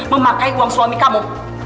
memakai uang suami kamu